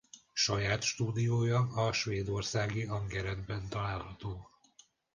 Saját stúdiója a svédországi Angeredben található.